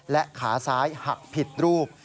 และขาซ้ายหักผิดรูป